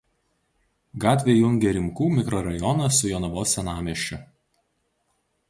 Gatvė jungia Rimkų mikrorajoną su Jonavos senamiesčiu.